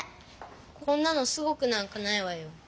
こんなのすごくなんかないわよ。